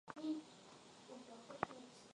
Kuwa na uteute mweupe